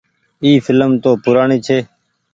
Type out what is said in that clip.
اي ڦلم تو پورآڻي ڇي۔